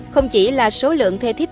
không chỉ là số lượng thê thiếp